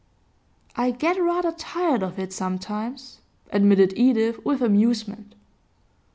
'I get rather tired of it sometimes,' admitted Edith with amusement.